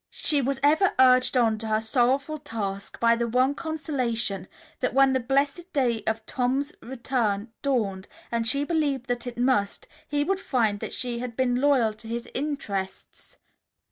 She was ever urged on to her sorrowful task by the one consolation that when the blessed day of Tom's return dawned, and she believed that it must, he would find that she had been loyal to his interests.